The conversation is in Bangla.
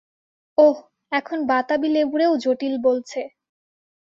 ওহ, এখন বাতাবী-লেবুরেও জটিল বলছে।